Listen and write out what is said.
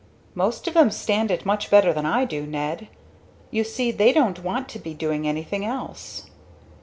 "Most of them stand it much better than I do, Ned. You see they don't want to be doing anything else."